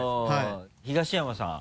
東山さん